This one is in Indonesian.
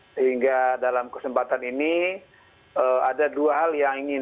sehingga dalam kesempatan ini ada dua hal yang ingin